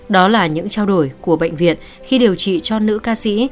đó là những trao đổi của bệnh viện khi điều trị cho nữ ca sĩ